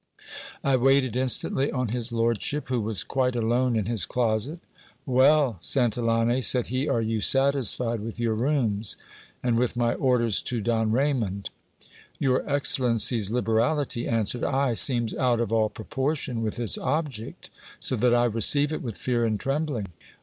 I waited instandy on his lordship, who was quite alone in his closet Well ! bantillane, said he, are you satisfied with your rooms, and with my orders to 4 oo GIL BLAS. Don Raymond? Your excellency's liberality, answered I, seems out of all proportion with its object ; so that I receive it with fear and trembling.